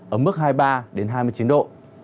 ở mức hai mươi ba hai mươi chín độ